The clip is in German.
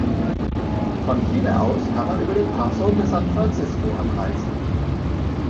Von Chile aus kann man über den Paso de San Francisco anreisen.